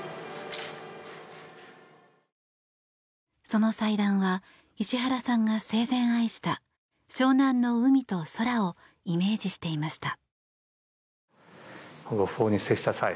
その祭壇は石原さんが生前愛した湘南の海と空をイメージしていました。